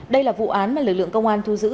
đây là vụ án mà lực lượng công an thu giữ